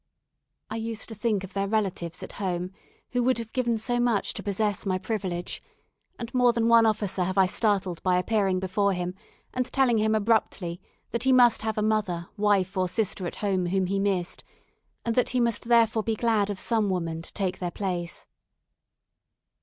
I used to think of their relatives at home, who would have given so much to possess my privilege; and more than one officer have I startled by appearing before him, and telling him abruptly that he must have a mother, wife, or sister at home whom he missed, and that he must therefore be glad of some woman to take their place.